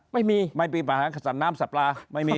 ไม่มีปัญหาไม่มีปัญหาถามน้ำสัตว์ปลา